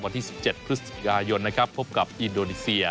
วันที่๑๗พฤศจิกายนนะครับพบกับอินโดนีเซีย